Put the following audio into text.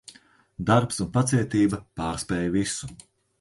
Darbs un pacietība pārspēj visu.